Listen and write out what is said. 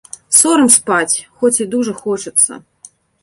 Сорам спаць, хоць і дужа хочацца.